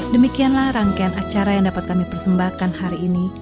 demikianlah rangkaian acara yang dapat kami persembahkan hari ini